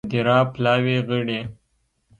مدیره پلاوي غړي